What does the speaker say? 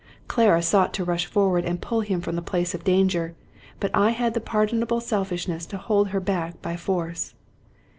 Clara sought to rush forward and pull him from the place of danger ; but I had the pardonable selfishness to hold her back by force.